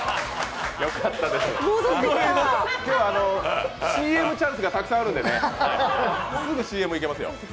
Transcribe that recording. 今日はＣＭチャンスがたくさんあるので、すぐＣＭいけますよ。